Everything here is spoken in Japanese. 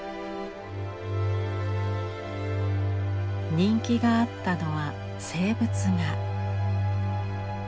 人気があったのは静物画。